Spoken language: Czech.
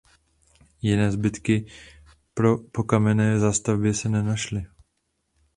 Jiné zbytky po kamenné zástavbě se nenašly.